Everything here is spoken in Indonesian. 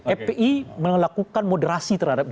epi melakukan moderasi terhadap